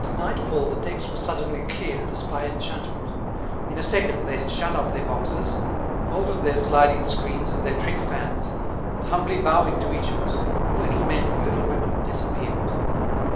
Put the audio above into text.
At nightfall the decks were suddenly cleared as by enchantment; in a second they had shut up their boxes, folded their sliding screens and their trick fans, and, humbly bowing to each of us, the little men and little women disappeared.